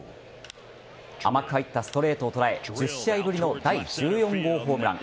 甘く入ったストレートを捉え１０試合ぶりの第１４号ホームラン。